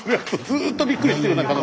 ずっとびっくりしてるな彼女。